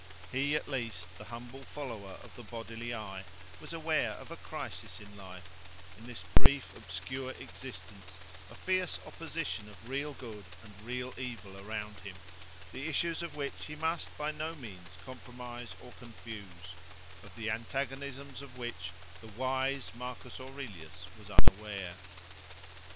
He at least, the humble follower of the bodily eye, was aware of a crisis in life, in this brief, obscure existence, a fierce opposition of real good and real evil around him, the issues of which he must by no means compromise or confuse; of the antagonisms of which the "wise" Marcus Aurelius was unaware.